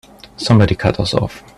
Somebody cut us off!